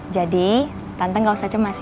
jadi putri gak usah khawatir